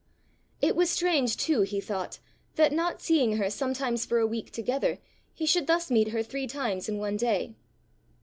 It was strange, too, he thought, that, not seeing her sometimes for a week together, he should thus meet her three times in one day.